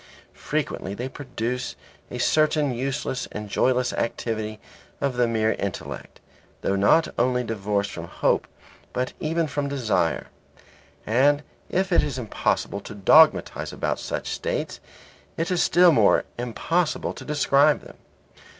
Frequently they produce a certain useless and joyless activity of the mere intellect, thought not only divorced from hope but even from desire. And if it is impossible to dogmatize about such states, it is still more impossible to describe them.